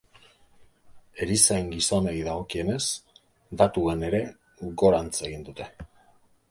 Erizain gizonei dagokienez, datuen ere gorantz egin dute.